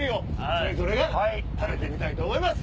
それぞれが食べてみたいと思います。